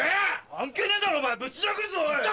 関係ねえだろお前ぶち殴るぞおい！